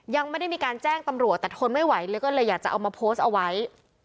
ยังไม่ได้มีการแจ้งตำรวจแต่ทนไม่ไหวเลยก็เลยอยากจะเอามาโพสต์เอาไว้